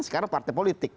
sekarang partai politik